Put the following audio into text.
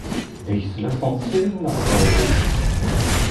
Dys laṣansir neɣ uhu?